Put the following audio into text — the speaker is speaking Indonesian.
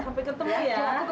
sampai ketemu ya